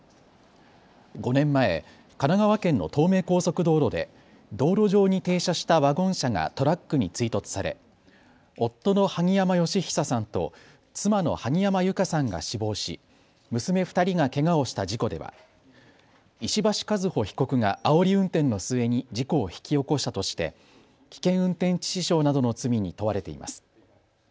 ５年前、神奈川県の東名高速道路で道路上に停車したワゴン車がトラックに追突され夫の萩山嘉久さんと妻の萩山友香さんが死亡し娘２人がけがをした事故では石橋和歩被告があおり運転の末に事故を引き起こしたとして危険運転致死傷などの罪に問われています。